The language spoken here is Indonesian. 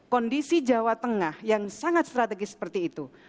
kondisi jawa tengah yang sangat strategis seperti itu